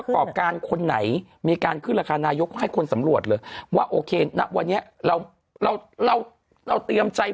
ก็ให้คนสำรวจเลยว่าโอเคน่ะวันนี้เราเราเราเราเตรียมใจ